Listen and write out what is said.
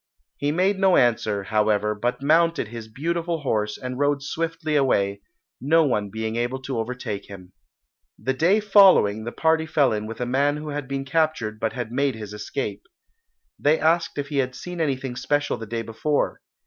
He made no answer, however, but mounted his beautiful horse and rode swiftly away, no one being able to overtake him. The day following the party fell in with a man who had been captured but had made his escape. They asked if he had seen anything special the day before.